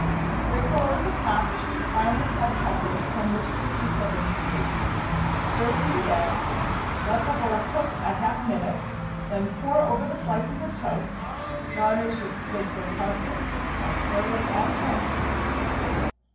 Sprinkle over the top two finely cut peppers from which the seeds have been removed, stir through the eggs, let the whole cook a half minute, then pour over the slices of toast, garnish with sprigs of parsley, and serve at once.